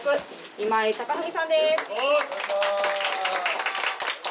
今井隆文さんです。